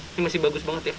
ini masih bagus banget ya